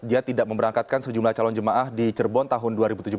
dia tidak memberangkatkan sejumlah calon jemaah di cirebon tahun dua ribu tujuh belas